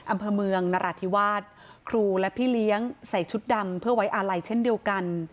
อำเภอเมืองนราธิวาสครูและพี่เลี้ยงใส่ชุดดำเพื่อไว้อาลัยเช่นเดียวกัน